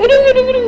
ada fotonya tuh